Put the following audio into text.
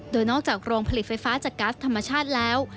โดยนอกจากโรงผลิตไฟฟ้าจากกัสธรรมชาติแล้ว